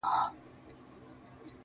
خیر غوښتنه د پرمختللې ټولنې نښه ده.